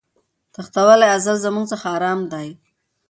تښتولی ازل زموږ څخه آرام دی